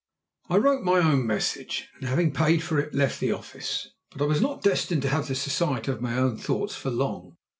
I wrote my own message, and having paid for it left the office. But I was not destined to have the society of my own thoughts for long.